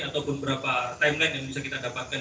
ataupun beberapa timeline yang bisa kita dapatkan